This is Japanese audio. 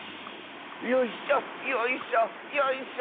「よいしょよいしょよいしょ。